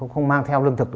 không mang theo lương thực